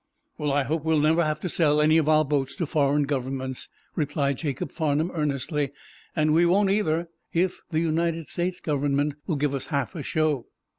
"I hope we'll never have to sell any of our boats to foreign governments," replied Jacob Farnum, earnestly. "And we won't either, if the United States Government will give us half a show."